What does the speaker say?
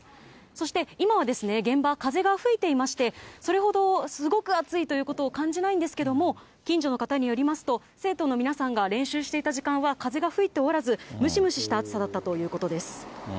そして、今は現場は風が吹いていまして、それほどすごく暑いということを感じないんですけども、近所の方によりますと、生徒の皆さんが練習していた時間は風が吹いておらず、ムシムシした暑さだったということです。